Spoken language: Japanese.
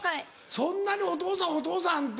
そんなにお父さんお父さんって。